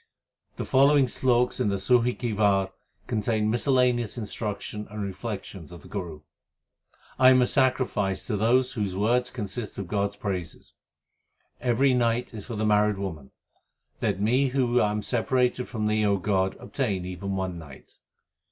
The following sloks in the Suhi ki War contain miscellaneous instruction and reflections of the Guru : I am a sacrifice to those whose words consist of God s praises. Every night is for the married woman ; let me who am separated from Thee, O God, obtain even one night.